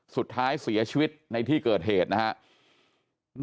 สุดท้ายเสียชีวิตในที่เกิดเหตุนะครับ